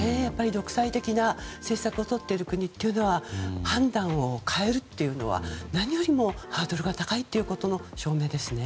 独裁的な政策をとっている国は判断を変えるというのは何よりもハードルが高いということの証明ですね。